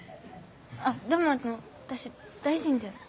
あでもあの私大臣じゃ。